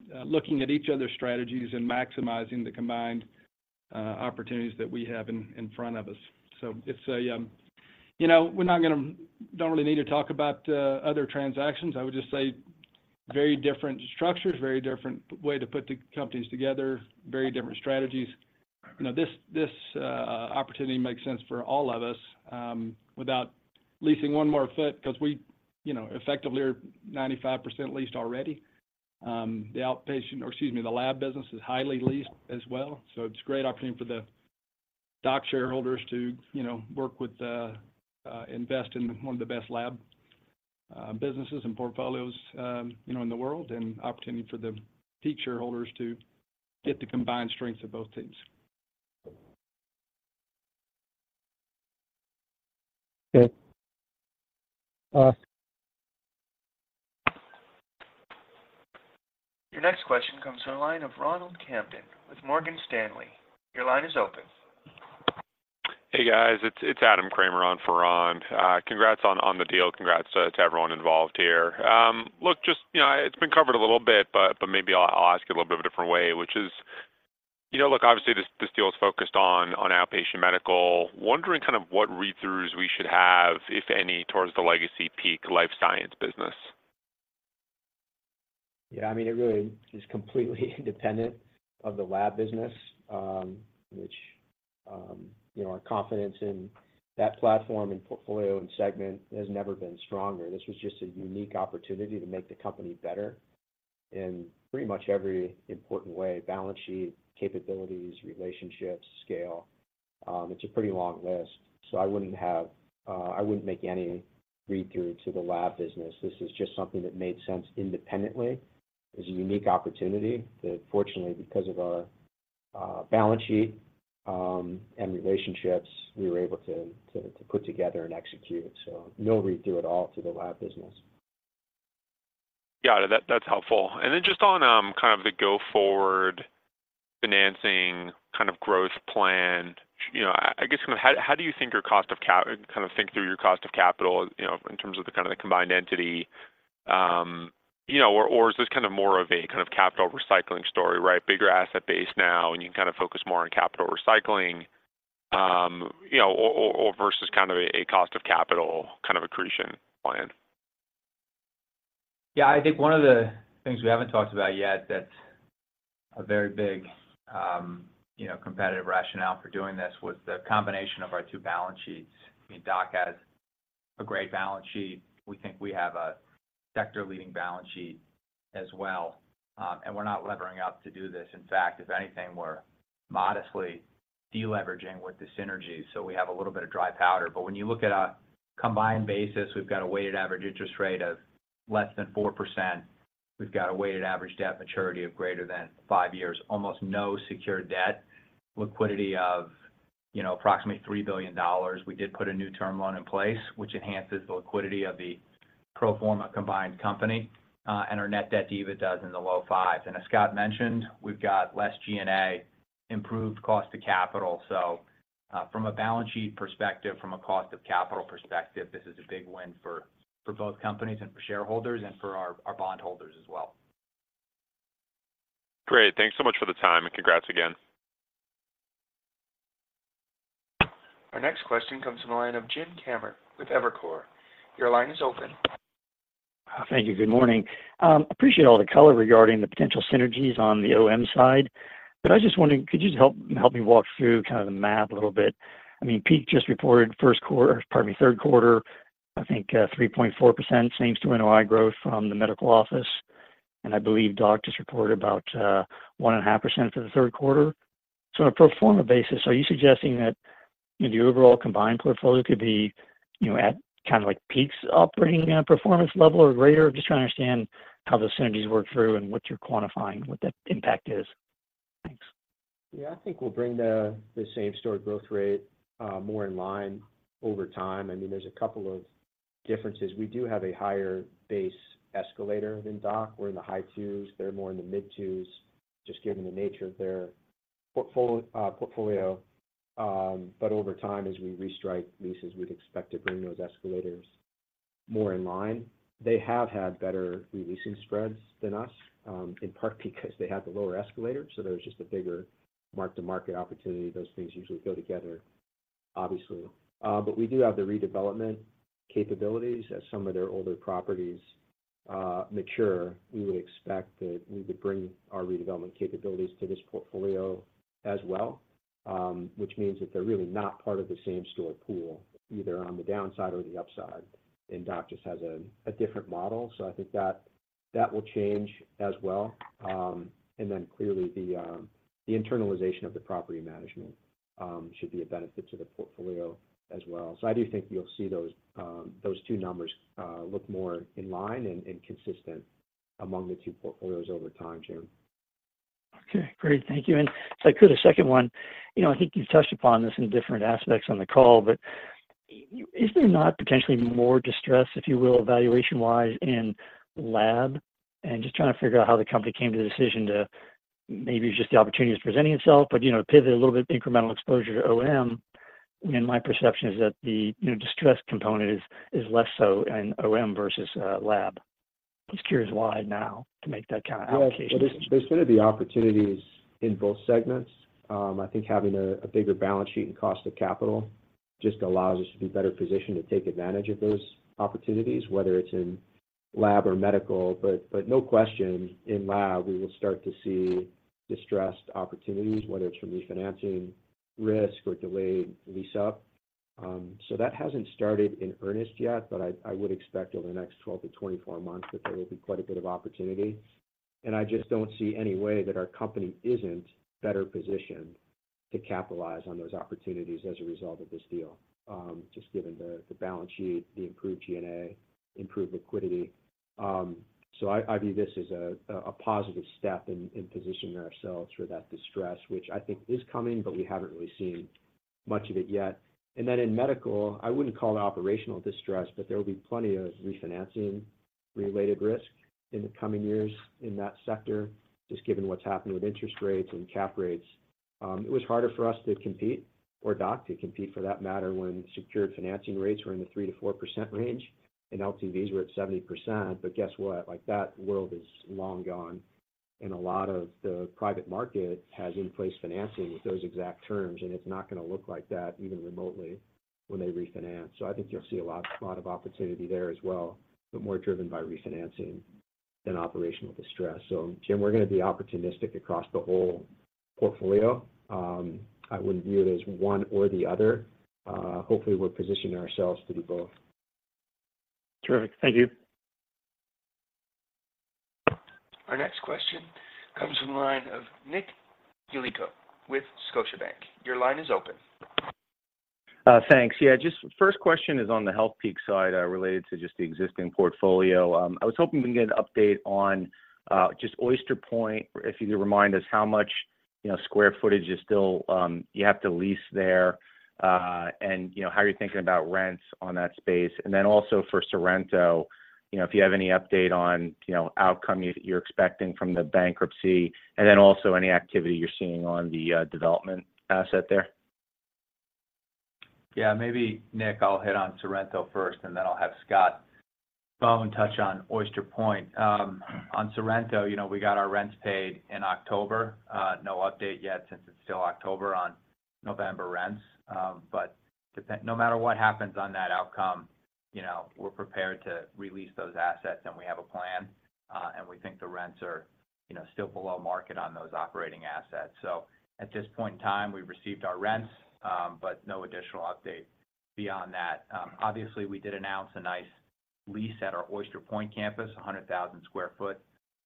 about, looking at each other's strategies and maximizing the combined, opportunities that we have in, in front of us. So it's a, you know, we're not gonna, don't really need to talk about, other transactions. I would just say very different structures, very different way to put the companies together, very different strategies. You know, this opportunity makes sense for all of us, without leasing one more foot, 'cause we, you know, effectively are 95% leased already. You know, the outpatient, or excuse me, the lab business is highly leased as well, so it's a great opportunity for the DOC shareholders to, you know, work with the, invest in one of the best lab businesses and portfolios, you know, in the world, and opportunity for the Peak shareholders to get the combined strengths of both teams. Okay. Uh- Your next question comes from the line of Ronald Kamdem with Morgan Stanley. Your line is open. Hey, guys. It's Adam Kramer on for Ron. Congrats on the deal. Congrats to everyone involved here. Look, just, you know, it's been covered a little bit, but maybe I'll ask it a little bit of a different way, which is, you know, look, obviously, this deal is focused on outpatient medical. Wondering kind of what read-throughs we should have, if any, towards the legacy Healthpeak life science business? Yeah, I mean, it really is completely independent of the lab business, which, you know, our confidence in that platform and portfolio and segment has never been stronger. This was just a unique opportunity to make the company better in pretty much every important way: balance sheet, capabilities, relationships, scale. It's a pretty long list, so I wouldn't make any read-through to the lab business. This is just something that made sense independently. It's a unique opportunity that fortunately, because of our balance sheet and relationships, we were able to put together and execute. So no read-through at all to the lab business. Got it. That, that's helpful. And then just on kind of the go-forward financing, kind of growth plan. You know, I guess kind of how do you think your cost of capital, you know, in terms of the kind of the combined entity, you know, or is this kind of more of a kind of capital recycling story, right? Bigger asset base now, and you can kind of focus more on capital recycling, you know, or versus kind of a cost of capital kind of accretion plan. Yeah, I think one of the things we haven't talked about yet that's a very big, you know, competitive rationale for doing this, was the combination of our two balance sheets. I mean, DOC has a great balance sheet. We think we have a sector-leading balance sheet as well, and we're not levering up to do this. In fact, if anything, we're modestly de-leveraging with the synergy. So we have a little bit of dry powder. But when you look at a combined basis, we've got a weighted average interest rate of less than 4%. We've got a weighted average debt maturity of greater than five years, almost no secured debt, liquidity of, you know, approximately $3 billion. We did put a new term loan in place, which enhances the liquidity of the pro forma combined company, and our net debt to EBITDA is in the low fives. And as Scott mentioned, we've got less G&A, improved cost to capital. So, from a balance sheet perspective, from a cost of capital perspective, this is a big win for both companies and for shareholders and for our bondholders as well. Great. Thanks so much for the time, and congrats again. Our next question comes from the line of James Kammert with Evercore. Your line is open. Thank you. Good morning. Appreciate all the color regarding the potential synergies on the OM side, but I just wondering, could you just help me walk through kind of the math a little bit? I mean, Peak just reported first quarter—pardon me, Q3, I think, 3.4% same-store NOI growth from the medical office, and I believe DOC just reported about, 1.5% for the third quarter. So on a pro forma basis, are you suggesting that, you know, the overall combined portfolio could be, you know, at kind of like Healthpeak's operating, performance level or greater? Just trying to understand how the synergies work through and what you're quantifying, what the impact is. Thanks. Yeah, I think we'll bring the same store growth rate more in line over time. I mean, there's a couple of differences. We do have a higher base escalator than DOC. We're in the high 2s, they're more in the mid 2s, just given the nature of their portfolio. But over time, as we restrike leases, we'd expect to bring those escalators more in line. They have had better re-leasing spreads than us, in part because they have the lower escalator, so there's just a bigger mark-to-market opportunity. Those things usually go together, obviously. But we do have the redevelopment capabilities. As some of their older properties mature, we would expect that we would bring our redevelopment capabilities to this portfolio as well, which means that they're really not part of the same-store pool, either on the downside or the upside, and DOC just has a different model. So I think that that will change as well. And then clearly, the internalization of the property management should be a benefit to the portfolio as well. So I do think you'll see those two numbers look more in line and consistent among the two portfolios over time, Jim. Okay, great. Thank you. If I could, a second one. You know, I think you've touched upon this in different aspects on the call, but is there not potentially more distress, if you will, valuation-wise in lab? Just trying to figure out how the company came to the decision to, maybe it's just the opportunity is presenting itself, but, you know, pivot a little bit incremental exposure to OM. My perception is that the, you know, distress component is less so in OM versus lab. Just curious why now to make that kind of allocation? Yeah. There's been the opportunities in both segments. I think having a bigger balance sheet and cost of capital just allows us to be better positioned to take advantage of those opportunities, whether it's in lab or medical. But no question, in lab, we will start to see distressed opportunities, whether it's from refinancing risk or delayed lease-up. So that hasn't started in earnest yet, but I would expect over the next 12-24 months that there will be quite a bit of opportunity. And I just don't see any way that our company isn't better positioned to capitalize on those opportunities as a result of this deal, just given the balance sheet, the improved G&A, improved liquidity. So I view this as a positive step in positioning ourselves for that distress, which I think is coming, but we haven't really seen much of it yet. And then in medical, I wouldn't call it operational distress, but there will be plenty of refinancing-related risk in the coming years in that sector, just given what's happened with interest rates and cap rates. It was harder for us to compete, or DOC to compete, for that matter, when secured financing rates were in the 3%-4% range and LTVs were at 70%. But guess what? Like, that world is long gone, and a lot of the private market has in-place financing with those exact terms, and it's not gonna look like that even remotely when they refinance. So I think you'll see a lot, a lot of opportunity there as well, but more driven by refinancing than operational distress. So Jim, we're gonna be opportunistic across the whole portfolio. I wouldn't view it as one or the other. Hopefully, we're positioning ourselves to do both. Terrific. Thank you. Our next question comes from the line of Nick Yulico with Scotiabank. Your line is open. Thanks. Yeah, just first question is on the Healthpeak side, related to just the existing portfolio. I was hoping to get an update on just Oyster Point. If you could remind us how much, you know, square footage is still you have to lease there, and, you know, how you're thinking about rents on that space. And then also for Sorrento, you know, if you have any update on, you know, outcome you, you're expecting from the bankruptcy, and then also any activity you're seeing on the development asset there? Yeah, maybe Nick, I'll hit on Sorrento first, and then I'll have Scott Bohn touch on Oyster Point. On Sorrento, you know, we got our rents paid in October. No update yet, since it's still October, on November rents. No matter what happens on that outcome, you know, we're prepared to release those assets, and we have a plan. We think the rents are, you know, still below market on those operating assets. At this point in time, we've received our rents, but no additional update beyond that. Obviously, we did announce a nice lease at our Oyster Point campus, a 100,000 sq ft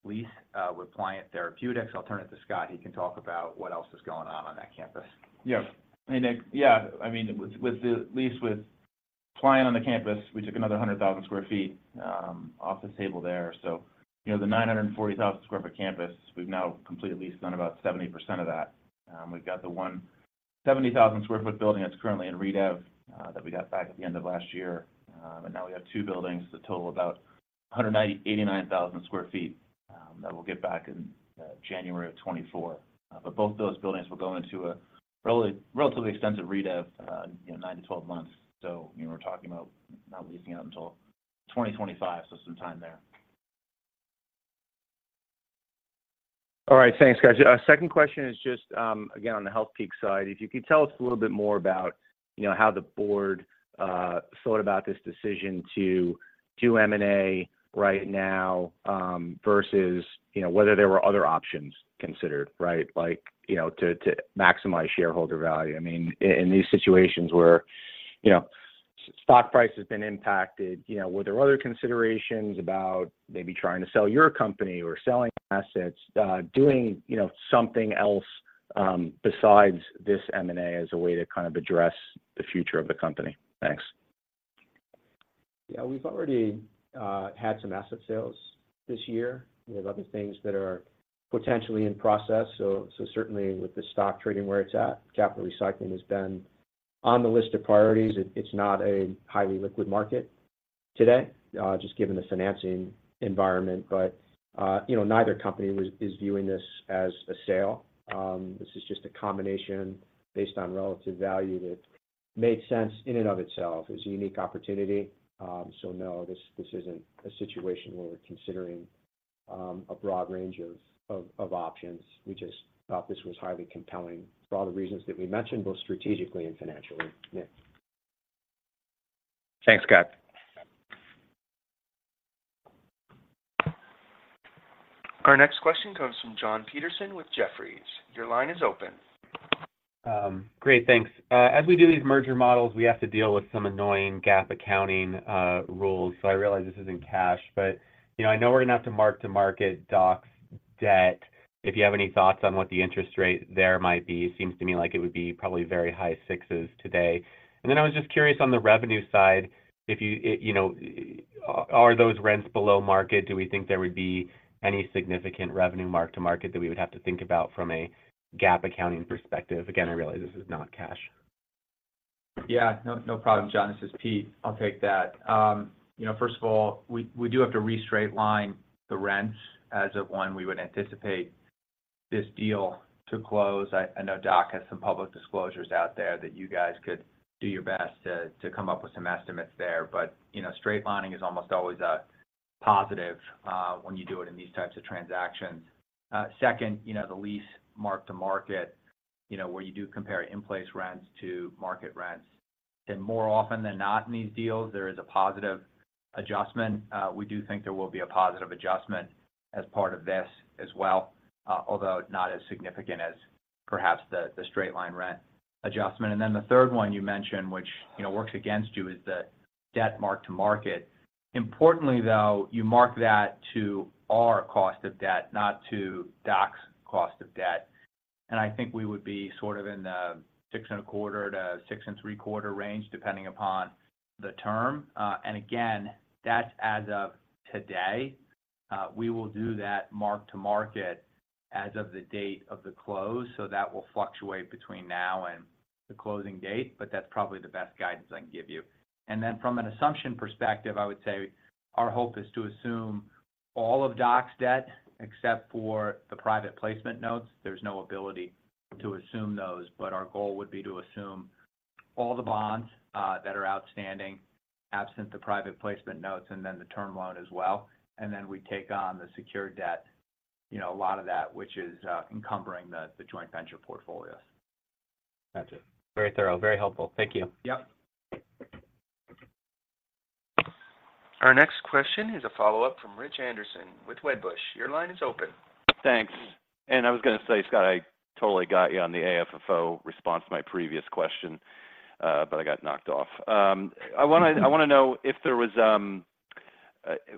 lease with Pliant Therapeutics. I'll turn it to Scott. He can talk about what else is going on, on that campus. Yeah. I mean, Nick—yeah, I mean, with the lease with Pliant on the campus, we took another 100,000 sq ft off the table there. So, you know, the 940,000 sq ft campus, we've now completely leased on about 70% of that. We've got the 170,000 sq ft building that's currently in redev that we got back at the end of last year. And now we have two buildings that total about 189,000 sq ft that we'll get back in January of 2024. But both of those buildings will go into a relatively extensive redev, you know, nine to 12 months. So, you know, we're talking about not leasing it until 2025, so some time there. All right. Thanks, guys. Second question is just, again, on the Healthpeak side. If you could tell us a little bit more about, you know, how the board thought about this decision to do M&A right now, versus, you know, whether there were other options considered, right? Like, you know, to maximize shareholder value. I mean, in these situations where, you know, stock price has been impacted, you know, were there other considerations about maybe trying to sell your company or selling assets, doing, you know, something else, besides this M&A as a way to kind of address the future of the company? Thanks. Yeah, we've already had some asset sales this year. We have other things that are potentially in process. So certainly with the stock trading where it's at, capital recycling has been on the list of priorities. It's not a highly liquid market today, just given the financing environment. But, you know, neither company is viewing this as a sale. This is just a combination based on relative value that made sense in and of itself. It's a unique opportunity. So no, this isn't a situation where we're considering a broad range of options. We just thought this was highly compelling for all the reasons that we mentioned, both strategically and financially. Nick? Thanks, Scott. Our next question comes from John Petersen with Jefferies. Your line is open. Great, thanks. As we do these merger models, we have to deal with some annoying GAAP accounting rules. So I realize this is in cash, but, you know, I know we're gonna have to mark-to-market DOC's debt. If you have any thoughts on what the interest rate there might be? It seems to me like it would be probably very high sixes today. And then I was just curious on the revenue side, if you, you know, are those rents below market? Do we think there would be any significant revenue mark-to-market that we would have to think about from a GAAP accounting perspective? Again, I realize this is not cash. Yeah. No, no problem, John. This is Pete. I'll take that. You know, first of all, we do have to re-straight line the rents as of when we would anticipate this deal to close. I know DOC has some public disclosures out there that you guys could do your best to come up with some estimates there. But, you know, straight lining is almost always a positive when you do it in these types of transactions. Second, you know, the lease mark-to-market, you know, where you do compare in-place rents to market rents, and more often than not, in these deals, there is a positive adjustment. We do think there will be a positive adjustment as part of this as well, although not as significant as perhaps the straight-line rent adjustment. The third one you mentioned, which, you know, works against you, is the debt mark-to-market. Importantly, though, you mark that to our cost of debt, not to DOC's cost of debt. I think we would be sort of in the 6.25%-6.75% range, depending upon the term. That's as of today. We will do that mark-to-market as of the date of the close, so that will fluctuate between now and the closing date, but that's probably the best guidance I can give you. From an assumption perspective, I would say our hope is to assume all of DOC's debt, except for the private placement notes. There's no ability to assume those, but our goal would be to assume all the bonds that are outstanding, absent the private placement notes, and then the term loan as well. We take on the secured debt, you know, a lot of that, which is encumbering the joint venture portfolios. Gotcha. Very thorough, very helpful. Thank you. Yep. Our next question is a follow-up from Rich Anderson with Wedbush. Your line is open. Thanks. And I was gonna say, Scott, I totally got you on the AFFO response to my previous question, but I got knocked off. I wanna know if there was,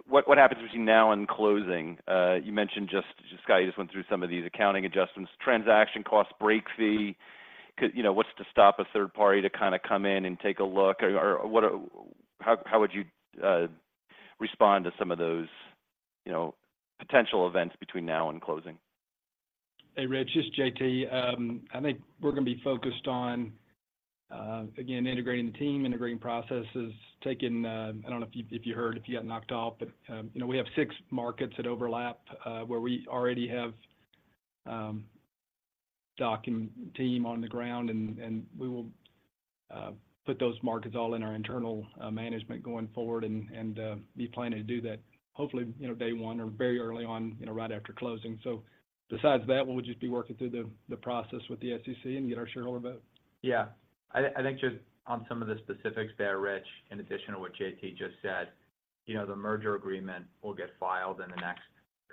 what, what happens between now and closing? You mentioned just—Scott, you just went through some of these accounting adjustments, transaction costs, break fee. Co- you know, what's to stop a third party to kind of come in and take a look? Or, or what, how, how would you, respond to some of those, you know, potential events between now and closing? Hey, Rich, it's J.T. I think we're gonna be focused on, you know, again, integrating the team, integrating processes, taking, I don't know if you, if you heard, if you got knocked off, but, you know, we have six markets that overlap, where we already have DOC team on the ground, and we will put those markets all in our internal management going forward and be planning to do that hopefully, you know, day one or very early on, you know, right after closing. Besides that, we'll just be working through the process with the SEC and get our shareholder vote. Yeah. I think just on some of the specifics there, Rich, in addition to what JT just said, you know, the merger agreement will get filed in the next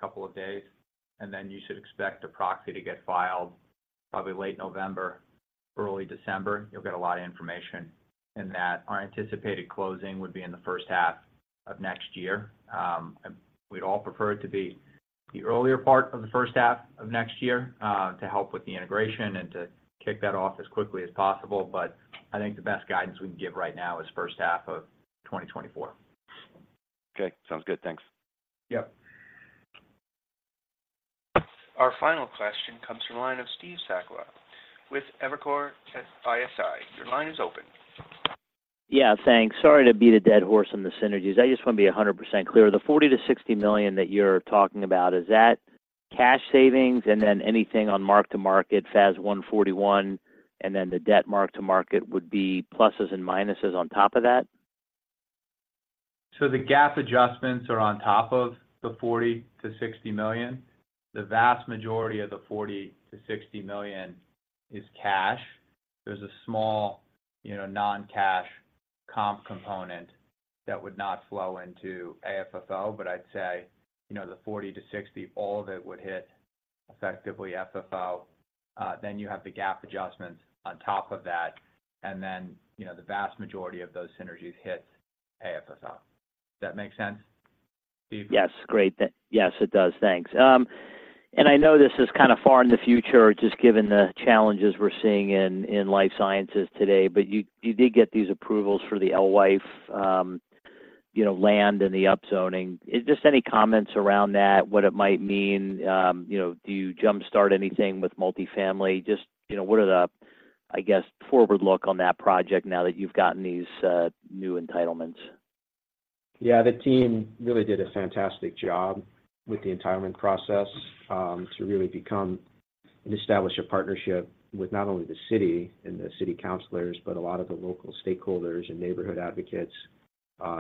couple of days, and you should expect a proxy to get filed probably late November, early December. You'll get a lot of information in that. Our anticipated closing would be in the first half of next year. We'd all prefer it to be the earlier part of the first half of next year, to help with the integration and to kick that off as quickly as possible. I think the best guidance we can give right now is first half of 2024. Okay. Sounds good. Thanks. Yep. Our final question comes from the line of Steve Sakwa with Evercore ISI. Your line is open. Yeah, thanks. Sorry to beat a dead horse on the synergies. I just wanna be 100% clear. The $40 million-$60 million that you're talking about, is that cash savings, and then anything on mark-to-market, FAS 141, and then the debt mark-to-market would be pluses and minuses on top of that? The GAAP adjustments are on top of the $40 million-$60 million. The vast majority of the $40 million-$60 million is cash. There's a small, you know, non-cash comp component that would not flow into AFFO, but I'd say, you know, the $40 million-$60 million, all of it would hit effectively AFFO. You have the GAAP adjustments on top of that, and then, you know, the vast majority of those synergies hit AFFO. Does that make sense, Steve? Yes. Great. Yes, it does. Thanks. I know this is kind of far in the future, just given the challenges we're seeing in life sciences today, but you did get these approvals for the Alewife, you know, land and the upzoning. Is just any comments around that, what it might mean? You know, do you jumpstart anything with multifamily? Just, you know, what are the, I guess, forward look on that project now that you've gotten these new entitlements? Yeah, the team really did a fantastic job with the entitlement process, to really become and establish a partnership with not only the city and the city councilors, but a lot of the local stakeholders and neighborhood advocates.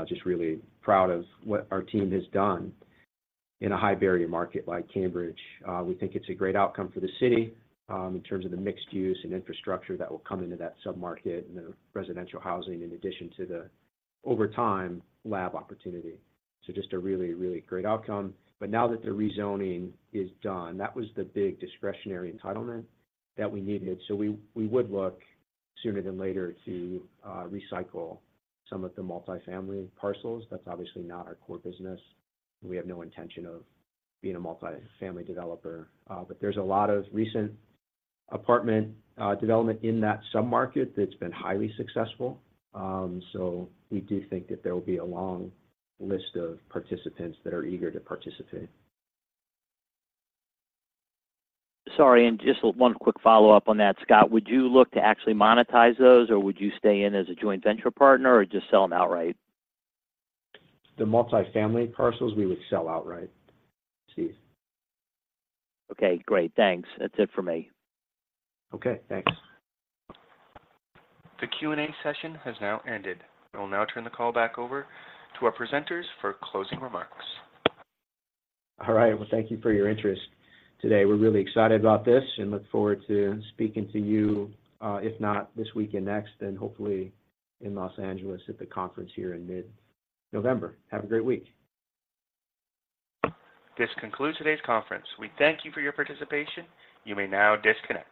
Just really proud of what our team has done in a high-barrier market like Cambridge. We think it's a great outcome for the city, in terms of the mixed use and infrastructure that will come into that sub-market and the residential housing, in addition to the over time lab opportunity. So just a really, really great outcome. But now that the rezoning is done, that was the big discretionary entitlement that we needed. So we would look sooner than later to recycle some of the multifamily parcels. That's obviously not our core business, and we have no intention of being a multifamily developer. But there's a lot of recent apartment development in that submarket that's been highly successful. So we do think that there will be a long list of participants that are eager to participate. Sorry, and just one quick follow-up on that. Scott, would you look to actually monetize those, or would you stay in as a joint venture partner or just sell them outright? The multifamily parcels, we would sell outright, Steve. Okay, great. Thanks. That's it for me. Okay, thanks. The Q&A session has now ended. I will now turn the call back over to our presenters for closing remarks. All right. Well, thank you for your interest today. We're really excited about this and look forward to speaking to you, if not this week and next, and hopefully in Los Angeles at the conference here in mid-November. Have a great week. This concludes today's conference. We thank you for your participation. You may now disconnect.